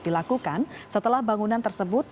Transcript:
dilakukan setelah bangunan tersebut